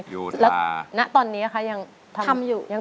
โยธาณตอนนี้คะยัง